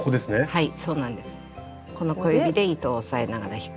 はい。